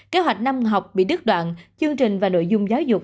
kế hoạch năm học bị đứt đoạn chương trình và nội dung giáo dục